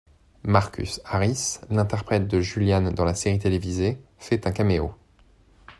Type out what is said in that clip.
Marcus Harris, l'interprète de Julian dans la série télévisée, fait un caméo.